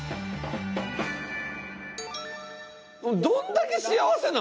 どんだけ幸せなん？